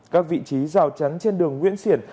các vị trí rào chắn trên đường nguyễn siển